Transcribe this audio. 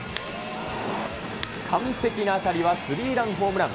完璧な当たりはスリーランホームラン。